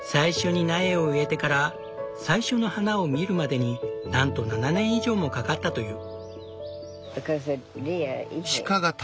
最初に苗を植えてから最初の花を見るまでになんと７年以上もかかったという。